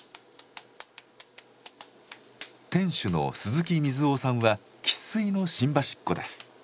店主の鈴木瑞雄さんは生っ粋の新橋っ子です。